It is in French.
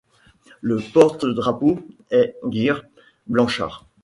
Le porte-drapeau est Geert Blanchart.